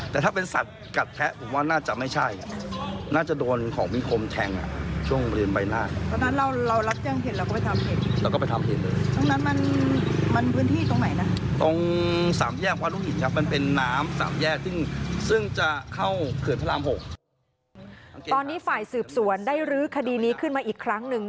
ตอนนี้ฝ่ายสืบสวนได้รื้อคดีนี้ขึ้นมาอีกครั้งหนึ่ง